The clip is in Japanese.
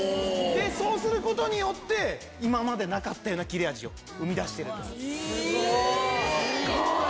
そうすることによって今までなかったような切れ味を生み出してるんです。